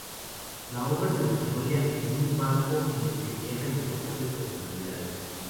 La obra se desarrolla en un barco, en el que viajan importantes personalidades.